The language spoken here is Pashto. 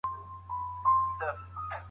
که کیمره وي نو استاد نه پټیږي.